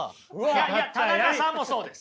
いやいや田中さんもそうです！